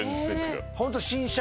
ホント。